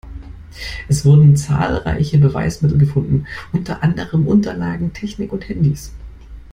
Es wurden zahlreiche Beweismittel gefunden, unter anderem Unterlagen, Technik und Handys.